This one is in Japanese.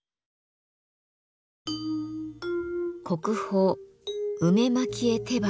国宝「梅蒔絵手箱」。